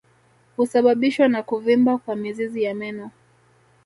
Husababishwa na kuvimba kwa mizizi ya meno